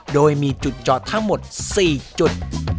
โดยมีจุดจอดทั้งหมด๔จุด